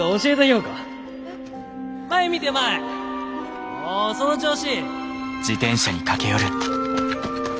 おその調子！